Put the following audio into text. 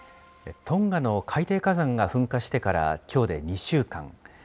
トンガの海底火山が噴火してからきょうで２週間。